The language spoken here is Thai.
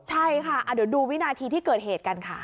ใช่ค่ะเดี๋ยวดูวินาทีที่เกิดเหตุกันค่ะ